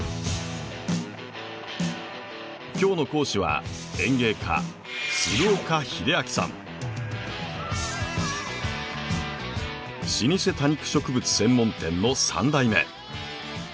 今日の講師は老舗多肉植物専門店の３代目。